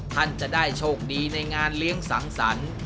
ท่านจะได้โชคดีในงานเลี้ยงสังสรรค์